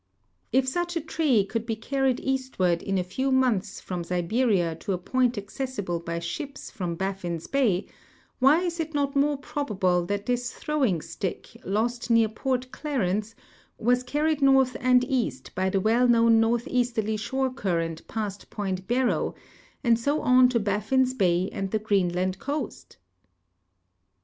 * If such a tree could l^e carried eastward in a few months from Siberia to a [)oint accessible by ships from Baffin's bay, why is it not more ))robable that this throwing stick, lost near Port Clarence, was carried north and east by the well known northeasterly shore current ])ast point Barrow and so on to Baffin's bay and the Greenland coast?